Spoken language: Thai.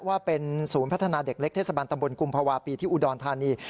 ว่าเป็นศูนย์พัฒนาเด็กเล็กเทศบาลตำบลกุมภาวะปีที่อุดรธานี